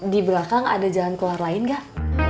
di belakang ada jalan keluar lain gak